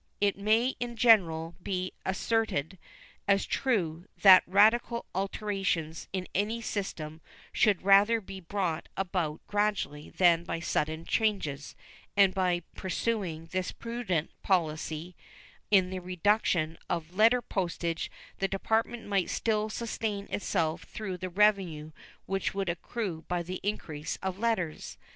It may in general be asserted as true that radical alterations in any system should rather be brought about gradually than by sudden changes and by pursuing this prudent policy in the reduction of letter postage the Department might still sustain itself through the revenue which would accrue by the increase of letters.